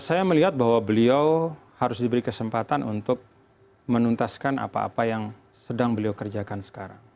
saya melihat bahwa beliau harus diberi kesempatan untuk menuntaskan apa apa yang sedang beliau kerjakan sekarang